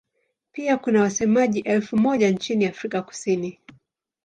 Pia kuna wasemaji elfu moja nchini Afrika Kusini.